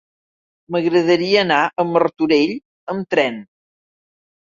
M'agradaria anar a Martorell amb tren.